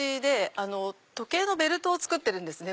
時計のベルトを作ってるんですね